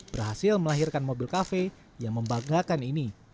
berhasil melahirkan mobil kafe yang membanggakan ini